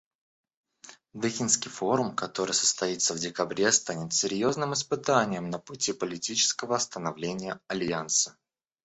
Дохинский форум, который состоится в декабре, станет серьезным испытанием на пути политического становления Альянса.